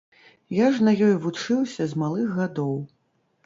Я ж на ёй вучыўся з малых гадоў.